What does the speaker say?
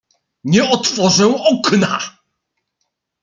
"Nie otworzę okna!"